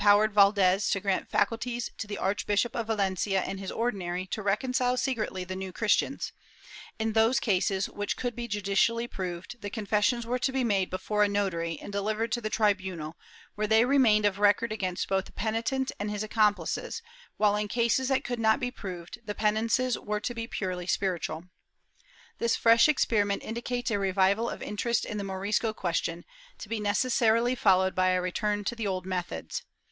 II] OPPRESSION 375 Valdes to grant faculties to the Archbishop of Valencia and his Ordinary to reconcile secretly the New Christians: in those cases which could be judicially proved, the confessions were to be made before a notary and delivered to the tribunal, where they remained of record against both the penitent and his accomplices, while in cases that could not be proved, the penances were to be purely spiritual/ This fresh experiment indicates a revival of interest in the Morisco question, to be necessarily followed by a return to the old methods.